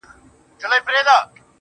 څه جانانه تړاو بدل کړ، تر حد زیات احترام